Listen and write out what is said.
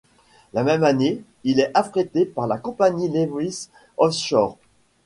La même année, il est affrété par la compagnie Lewis Offshore.